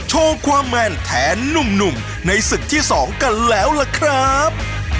โชว์ความแมนแทนหนุ่มในศึกที่๒กันแล้วล่ะครับ